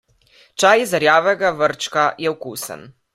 Čaj iz rjavega vrčka je okusen.